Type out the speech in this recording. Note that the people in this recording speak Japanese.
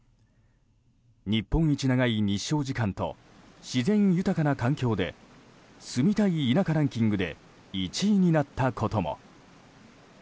日本一長い日照時間と自然豊かな環境で住みたい田舎ランキングで１位になったことも。